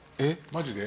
マジで？